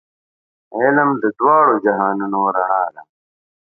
علم د دواړو جهانونو رڼا ده.